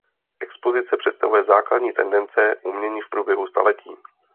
Expozice představuje základní tendence umění v průběhu staletí.